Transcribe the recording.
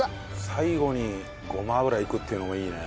最後にごま油いくっていうのもいいね。